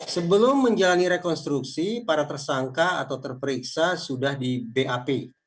sebelum menjalani rekonstruksi para tersangka atau terperiksa sudah di bap